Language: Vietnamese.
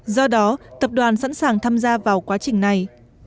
do đó tập đoàn sẵn sàng tham gia vào quá trình này